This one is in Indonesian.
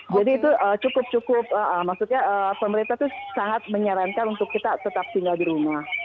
jadi itu cukup cukup maksudnya pemerintah itu sangat menyarankan untuk kita tetap tinggal di rumah